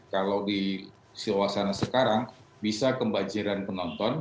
kalau di suasana sekarang bisa kebajiran penonton